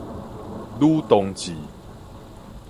女同志